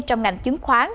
trong ngành chiến khoán